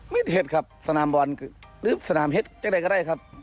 ไม่ได้เห็ดครับสนามบอลหรือสนามเห็ดแกล้งก็ได้ครับ